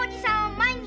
毎日？